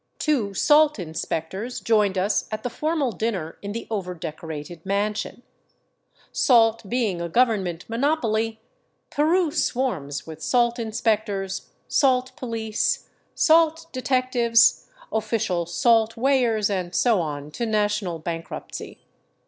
Two salt inspectors joined us at the for mal dinner in the overdecorated mansion. Salt being a government monopoly, Peru swarms with salt inspectors, salt police, salt detec tives, official salt weighers, and so on to national bankruptcy.